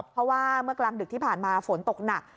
เพราะว่าเมื่อกลางดึกที่ผ่านมาฝนตกหนัก